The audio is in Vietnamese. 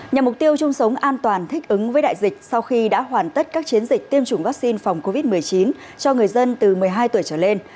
nhằm mục tiêu chung sống an toàn thích ứng với đại dịch sau khi đã hoàn tất các chiến dịch tiêm chủng vaccine phòng covid một mươi chín cho người dân từ một mươi hai tuổi trở lên